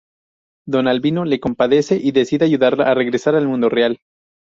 Don Albino la compadece y decide ayudarla a regresar al mundo real.